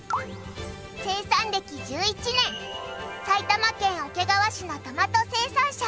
生産歴１１年埼玉県桶川市のトマト生産者